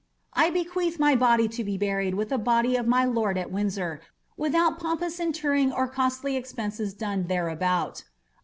I bequeath my body to be buried with the body of my lord at Windsor, without pompous interring or costly expenses done thereabout.